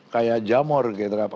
kayak jamur gitu